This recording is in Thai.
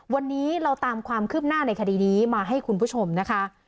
วันนี้เราตามความคืบหน้าในคดีนี้มาให้คุณผู้ชมนะคะ